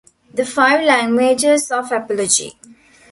"The Five Languages of Apology".